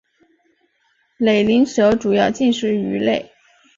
瘰鳞蛇主要进食鱼类。